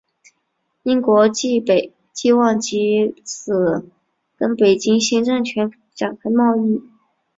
英国冀望藉此跟北京新政权展开贸易。